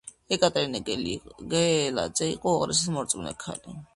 ეკატერინე გელაძე იყო უაღრესად მორწმუნე ქალი.